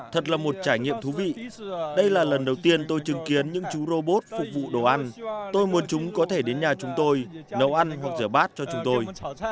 thật là một trải nghiệm thú vị đây là lần đầu tiên tôi chứng kiến những chú robot phục vụ đồ ăn tôi muốn chúng có thể đến nhà chúng tôi nấu ăn hoặc rửa bát cho chúng tôi